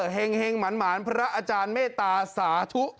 เห็งหมานพระอาจารย์เมตตาสาธุ